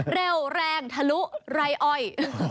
เร็วแรงทะลุไร่อ้อย